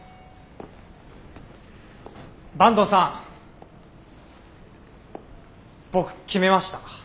坂東さん僕決めました。